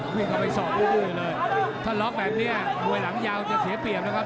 พี่เขาไปสอบอู่เลยถ้าล็อคแบบนี้มวยหลังยาวจะเสียเปลี่ยนนะครับ